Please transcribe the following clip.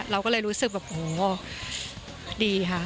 เราก็เลยรู้สึกแบบโหดีค่ะ